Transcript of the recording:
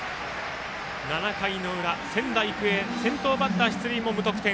７回の裏、仙台育英先頭バッター出塁も無得点。